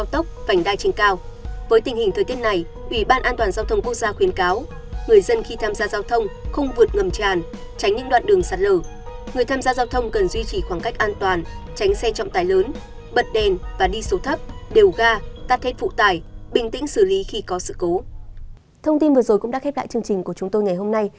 thông tin vừa rồi cũng đã khép lại chương trình của chúng tôi ngày hôm nay